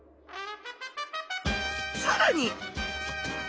さらに！